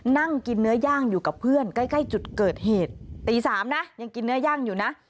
นั่งกินเนื้อย่างอยู่กับเพื่อนใกล้ใกล้จุดเกิดเหตุตี๓นะยังกินเนื้อย่างอยู่นะ